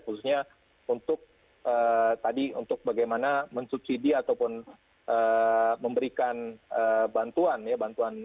khususnya untuk tadi untuk bagaimana mensubsidi ataupun memberikan bantuan ya bantuan